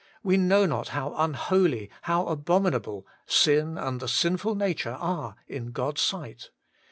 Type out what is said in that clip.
We know not how unholy, how abominable, sin and the sin ful nature are in God's sight.